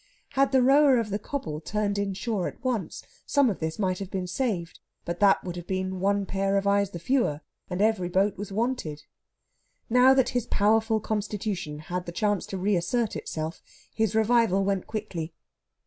Had the rower of the cobble turned in shore at once, some of this might have been saved; but that would have been one pair of eyes the fewer, and every boat was wanted. Now that his powerful constitution had the chance to reassert itself, his revival went quickly.